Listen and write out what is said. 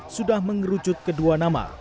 sudah mengerucut kedua nama